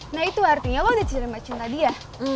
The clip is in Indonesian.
nah itu artinya lo udah cerima cinta dia